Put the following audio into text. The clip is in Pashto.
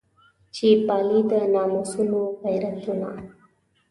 چې پالي د ناموسونو غیرتونه.